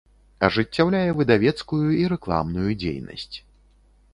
Ажыццяўляе выдавецкую і рэкламную дзейнасць.